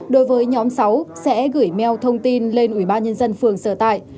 đối với nhóm sáu sẽ gửi meo thông tin lên ủy ban nhân dân phường sở tại